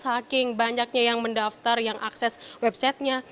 haking banyaknya yang mendaftar yang akses website nya